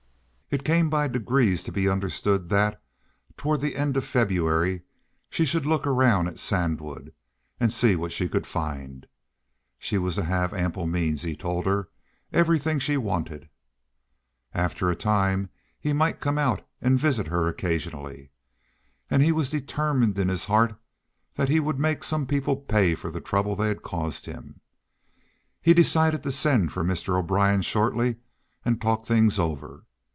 It came by degrees to be understood that, toward the end of February, she should look around at Sandwood and see what she could find. She was to have ample means, he told her, everything that she wanted. After a time he might come out and visit her occasionally. And he was determined in his heart that he would make some people pay for the trouble they had caused him. He decided to send for Mr. O'Brien shortly and talk things over.